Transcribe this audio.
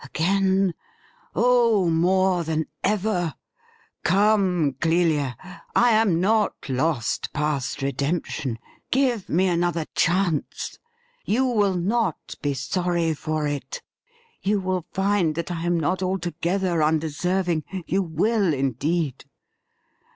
Again? Oh, more than ever! Come, Clelia; I am not lost past redemption. Give me another chance! You will not be sorry for it ; you will find that I am not alto gether undeserving — you will indeed.'